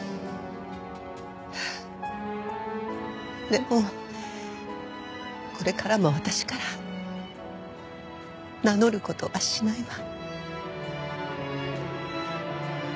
でもこれからも私から名乗る事はしないわ。